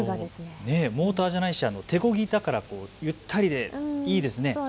モーターじゃないし手こぎだからゆったりでいいですよね。